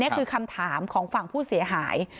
คือคำถามของฝั่งผู้เสียหาย